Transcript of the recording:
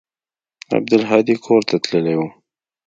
عبدالهادي کور ته تللى و.